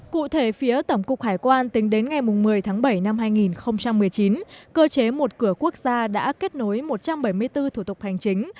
cụ thể phía tổng cục hải quan tính đến ngày một mươi tháng bảy năm hai nghìn một mươi chín cơ chế một cửa quốc gia đã kết nối một trăm bảy mươi bốn thủ tục hành chính